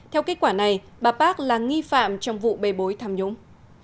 theo kết quả này bà park là nghi phạm trong vụ bê bối tham nhũng